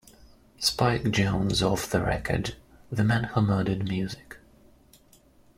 Spike Jones Off the Record: The Man Who Murdered Music.